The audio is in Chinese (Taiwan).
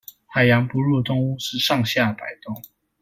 海洋哺乳動物是上下擺動